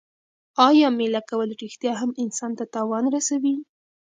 آیا مېله کول رښتیا هم انسان ته تاوان رسوي؟